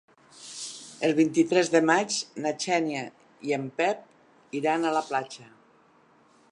El vint-i-tres de maig na Xènia i en Pep iran a la platja.